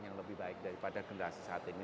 yang lebih baik daripada generasi saat ini